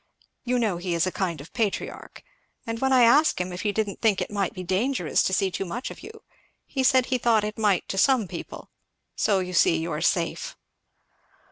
You know he is a kind of patriarch! And when I asked him if he didn't think it might be dangerous to see too much of you, he said he thought it might to some people so you see you are safe."